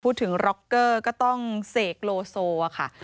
ถึงร็อกเกอร์ก็ต้องเสกโลโซค่ะ